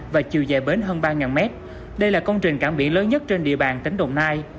và chiều dài bến hơn ba m đây là công trình cảng biển lớn nhất trên địa bàn tỉnh đồng nai